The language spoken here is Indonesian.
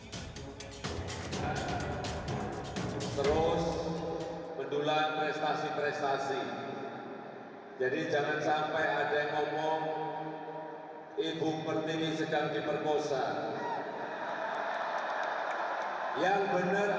jokowi menegaskan bahwa saat ini ibu pertiwi sedang berprestasi bukan sedang diperkuasa